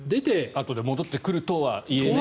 あとで戻ってくるとはいえね。